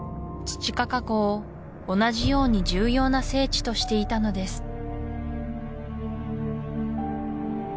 チチカカ湖を同じように重要な聖地としていたのです